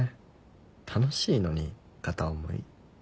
楽しいのに片思い。